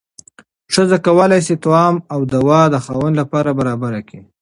ښځه کولی شي طعام او دوا د خاوند لپاره برابره کړي.